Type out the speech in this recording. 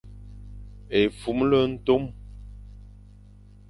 Efumle ntom ;